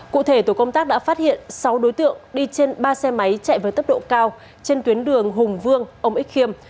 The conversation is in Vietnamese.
cụ thể tổ công tác đã phát hiện sáu đối tượng đi trên ba xe máy chạy với tốc độ cao trên tuyến đường hùng vương ông ích khiêm